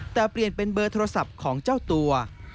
แต่เปลี่ยนเป็นเบอร์โทรศัพท์ของเจ้าตัว